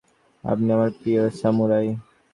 আপনি আমার প্রিয় সামুরাই!